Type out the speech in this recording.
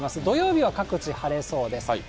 土曜日は各地晴れそうです。